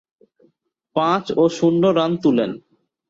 পাঁচ ও শূন্য রান তুলেন।